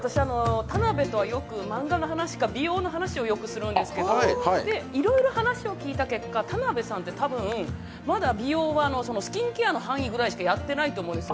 田辺とは、よく漫画とか美容の話をよくするんですけどいろいろ話を聞いた結果、田辺さんって多分、まだ美容は、スキンケアの範囲ぐらいしかやってないと思うんです。